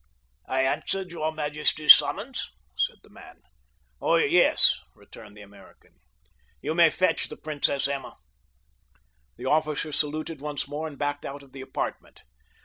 "I answered your majesty's summons," said the man. "Oh, yes!" returned the American. "You may fetch the Princess Emma." The officer saluted once more and backed out of the apartment.